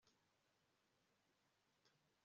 william ati wowe iturize nzakwereka